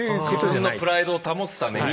自分のプライドを保つために。